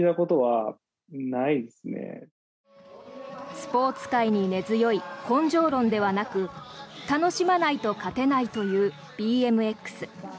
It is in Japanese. スポーツ界に根強い根性論ではなく楽しまないと勝てないというＢＭＸ。